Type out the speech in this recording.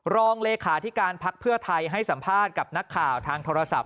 รองเลขาที่การพักเพื่อไทยให้สัมภาษณ์กับนักข่าวทางโทรศัพท์